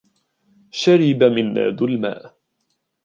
شرب مناد الماء